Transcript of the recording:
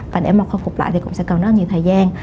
và để mà khôi phục lại thì cũng sẽ cần rất nhiều thời gian